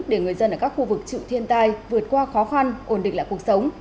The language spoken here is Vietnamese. để người dân ở các khu vực chịu thiên tai vượt qua khó khăn ổn định lại cuộc sống